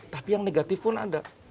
tapi yang negatif pun ada